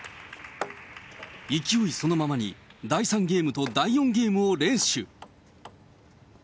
勢いそのままに、第３ゲームと第４ゲームを連取。